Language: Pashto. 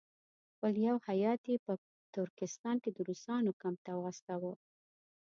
خپل یو هیات یې په ترکستان کې د روسانو کمپ ته واستاوه.